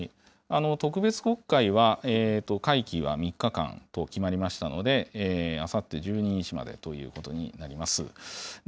特別国会は会期は３日間と決まりましたので、あさって１２日までということになります。